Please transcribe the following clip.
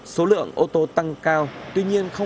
số lượng ô tô tăng cao